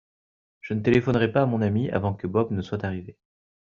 Je ne téléphonerai pas à mon ami avant que Bob ne soit arrivé.